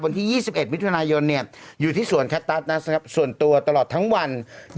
วันที่๒๑มิถุนายนอยู่ที่สวนแคตตัสนะครับส่วนตัวตลอดทั้งวัน